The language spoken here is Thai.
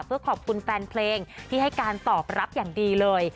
เพื่อขอบคุณแฟนเพลงที่ให้การตอบรับอย่างดีเลย